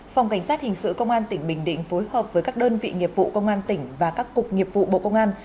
phòng cảnh sát hình sự công an tỉnh bình định phối hợp với các đơn vị nghiệp vụ công an tỉnh và các cục nghiệp vụ bộ công an